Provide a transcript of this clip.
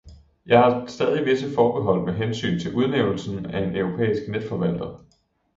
Jeg har stadig visse forbehold med hensyn til udnævnelsen af en europæisk netforvalter.